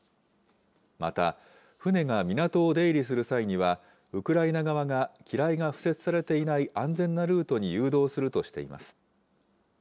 また、船が港を出入りする際には、ウクライナ側が機雷が敷設されていない安全なルートに誘導するとしています。